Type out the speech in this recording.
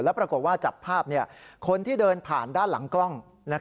แล้วปรากฏว่าจับภาพคนที่เดินผ่านด้านหลังกล้อง